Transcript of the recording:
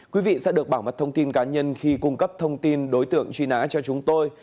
quý vị sẽ được bảo mật thông tin cá nhân khi cung cấp thông tin đối tượng truy nã cho chúng tôi